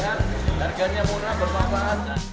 harganya murah bermanfaat